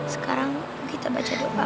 sekarang kita baca doa